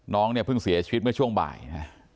น้องเนี่ยเพิ่งเสียชีวิตเมื่อช่วงบ่ายนะ